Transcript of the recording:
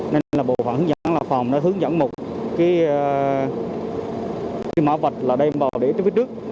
nên là bộ phận hướng dẫn là phòng nó hướng dẫn một cái máu vạch là đem vào để phía trước